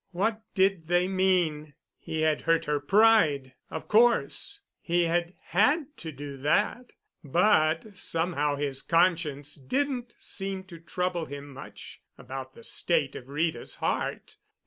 What did they mean? He had hurt her pride, of course—he had had to do that, but somehow his conscience didn't seem to trouble him much about the state of Rita's heart.